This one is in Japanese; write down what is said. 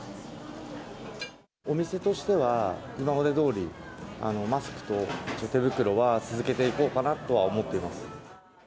お店としては、今までどおり、マスクと手袋は続けていこうかなとは思っています。